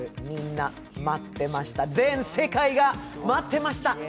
みんな待ってました、全世界が待ってました！